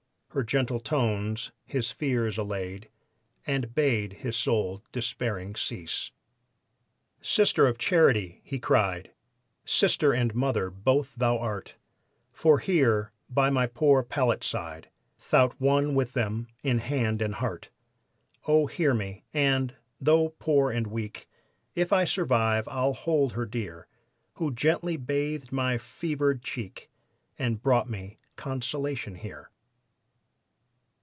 Her gentle tones his fears allayed And bade his soul despairing cease. "Sister of Charity!" he cried, "Sister and mother both thou art; For here by my poor pallet side, Thou'rt one with them in hand and heart." "Oh, hear me, and, though poor and weak, If I survive I'll hold her dear, Who gently bathed my fevered cheek And brought me consolation here."